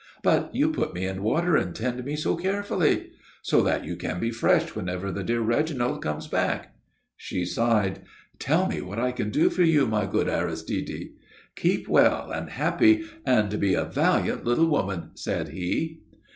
"But you put me in water and tend me so carefully." "So that you can be fresh whenever the dear Reginald comes back." She sighed. "Tell me what I can do for you, my good Aristide." "Keep well and happy and be a valiant little woman," said he.